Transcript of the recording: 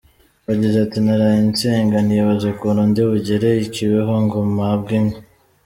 Yagize ati “Naraye nsenga nibaza ukuntu ndi bugere i Kibeho ngo mpabwe inka.